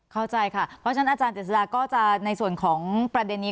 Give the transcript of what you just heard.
เข้าใจค่ะเพราะฉะนั้นอาจารย์เจษฎาก็จะในส่วนของประเด็นนี้